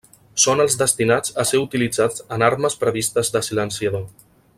Són els destinats a ser utilitzats en armes previstes de silenciador.